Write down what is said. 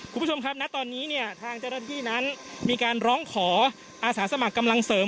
คุณผู้ชมครับณตอนนี้เนี่ยทางเจ้าหน้าที่นั้นมีการร้องขออาสาสมัครกำลังเสริม